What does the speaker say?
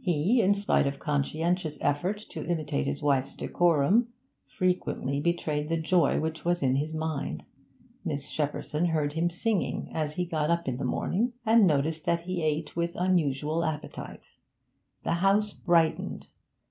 He, in spite of conscientious effort to imitate his wife's decorum, frequently betrayed the joy which was in his mind; Miss Shepperson heard him singing as he got up in the morning, and noticed that he ate with unusual appetite. The house brightened.